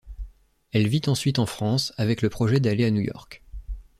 Elle vit ensuite en France, avec le projet d'aller à New-York.